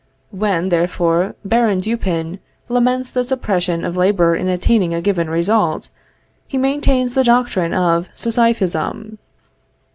When, therefore, Baron Dupin laments the suppression of labor in attaining a given result, he maintains the doctrine of Sisyphism.